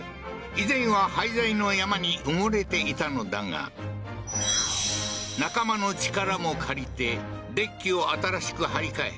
以前は廃材の山に埋もれていたのだが仲間の力も借りてデッキを新しく張り替え